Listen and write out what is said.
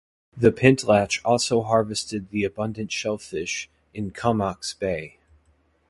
The Pentlatch also harvested the abundant shellfish in Comox Bay.